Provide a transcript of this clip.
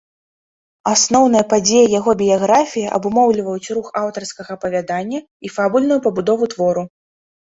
Асноўныя падзеі яго біяграфіі абумоўліваюць рух аўтарскага апавядання і фабульную пабудову твору.